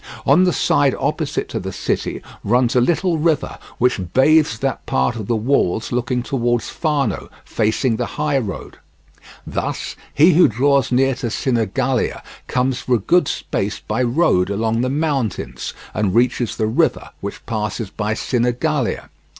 On the side opposite to the city runs a little river which bathes that part of the walls looking towards Fano, facing the high road. Thus he who draws near to Sinigalia comes for a good space by road along the mountains, and reaches the river which passes by Sinigalia.